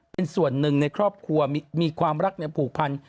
เป็นส่วนหนึ่งในครอบครัวมีความรักผูกพัน